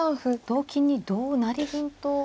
同金に同成銀と。